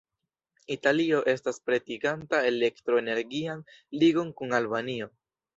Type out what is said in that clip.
Italio estas pretiganta elektro-energian ligon kun Albanio.